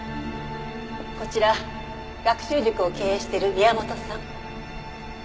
こちら学習塾を経営してる宮本さん。